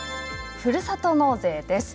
ふるさと納税です。